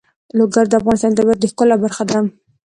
لوگر د افغانستان د طبیعت د ښکلا برخه ده.